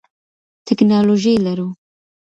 ټکنالوژي لرو.